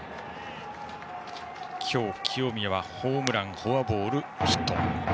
今日、清宮はホームランフォアボール、ヒット。